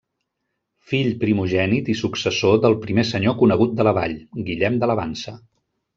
Fill primogènit i successor del primer senyor conegut de la vall, Guillem de Lavansa.